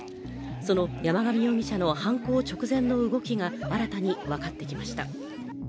その山上容疑者の犯行直前の動きが新たに分かってきました。